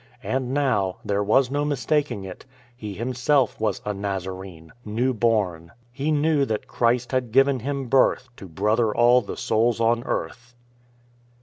And now — there was no mistaking it — he himself was a Nazarene — new born. "He knew that Christ had given him birth To brother all the souls on earth."